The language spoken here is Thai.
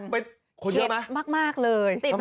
เข็ดมากเลย